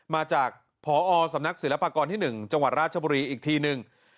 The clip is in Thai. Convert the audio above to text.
มาจากพอสำนักศิลปากรที่๑จังหวัดราชบุรีอีกทีนึง